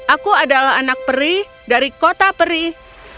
aku adalah anak perih dari kota perih